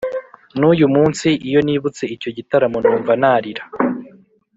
n’uyu munsi iyo nibutse icyo gitaramo numva narira